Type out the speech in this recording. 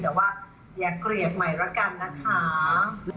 แต่ว่าอย่าเกลียดใหม่แล้วกันนะคะ